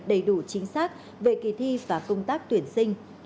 đầy đủ chính xác về kỳ thi và công tác tuyển sinh